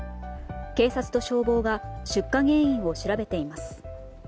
警察と消防が出火原因を調べています。